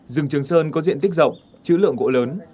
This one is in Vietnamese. rừng trường sơn có diện tích rộng chữ lượng gỗ lớn